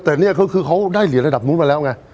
แต่นี่เขาคือได้เดียวละดับมูลมาแล้วไง